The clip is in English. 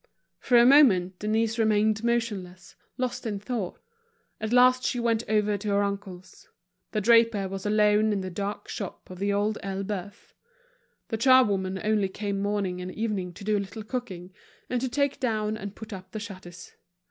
For a moment, Denise remained motionless, lost in thought. At last she went over to her uncle's. The draper was alone in the dark shop of The Old Elbeuf. The charwoman only came morning and evening to do a little cooking, and to take down and put up the shutters.